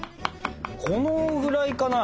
このぐらいかな？